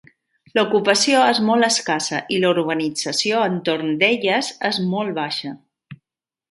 L'ocupació és molt escassa i la urbanització entorn d'elles és molt baixa.